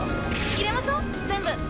入れましょう全部。